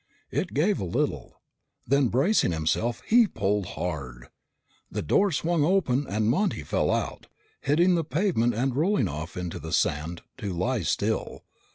It gave a little. Then bracing himself, he pulled hard. The door swung open and Monty fell out, hitting the pavement and rolling off into the sand to lie still.